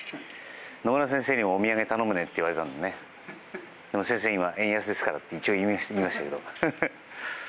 野村先生にもお土産頼むよって言われたので先生、今、円安ですからって一応言いましたけど。